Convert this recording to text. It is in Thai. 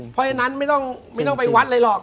เพราะฉะนั้นไม่ต้องไปวัดอะไรหรอก